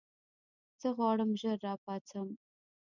زه غواړم ژر راپاڅم.